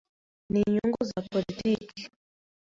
ninyungu za politiki ,